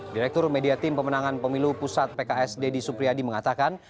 direktur media tim pemenangan pemilu pusat pks deddy supriyadi mengatakan